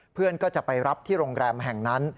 เพื่อนก็จะไปรับที่โรงแรมแห่งนั้น